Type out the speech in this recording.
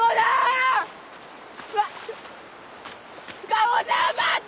カゴさん待って！